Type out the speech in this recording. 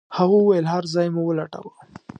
هغې وويل هر ځای مو ولټاوه.